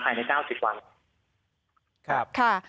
ภายใน๙๐วัน